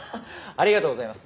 ありがとうございます。